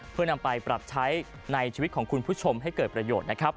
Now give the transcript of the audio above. เพื่อนำไปปรับใช้ในชีวิตของคุณผู้ชมให้เกิดประโยชน์นะครับ